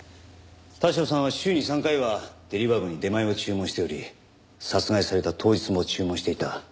田代さんは週に３回はデリバー部に出前を注文しており殺害された当日も注文していた。